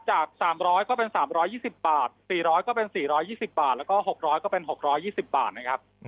จาก๓๐๐ก็เป็น๓๒๐บาท๔๐๐ก็เป็น๔๒๐บาทแล้วก็๖๐๐ก็เป็น๖๒๐บาทนะครับ